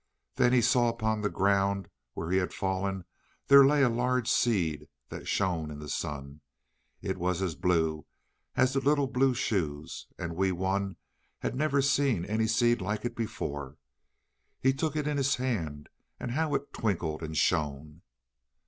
Then he saw that upon the ground where he had fallen there lay a large seed that shone in the sun. It was as blue as the little blue shoes, and Wee Wun had never seen any seed like it before. He took it in his hand, and how it twinkled and shone!